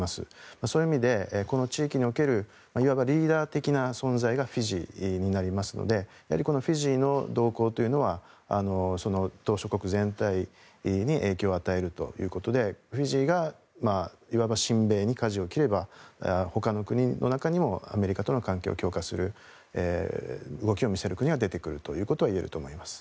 そういう意味でこの地域におけるいわばリーダー的な存在がフィジーになりますのでフィジーの動向というのは島しょ国全体に影響を与えるということでフィジーがいわば親米にかじを切ればほかの国の中にもアメリカとの関係を強化する動きを見せる国が出てくるということは言えると思います。